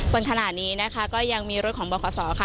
ส่วนขณะนี้นะคะก็ยังมีรถของบขค่ะ